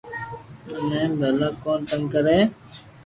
مني ڀلا ڪو تنگ ڪري